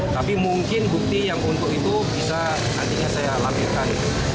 tapi mungkin bukti yang untuk itu bisa nantinya saya lampirkan